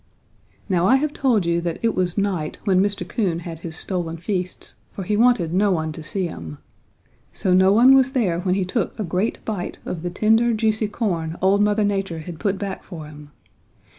"Now I have told you that it was night when Mr. Coon had his stolen feasts, for he wanted no one to see him. So no one was there when he took a great bite of the tender, juicy corn old Mother Nature had put back for him.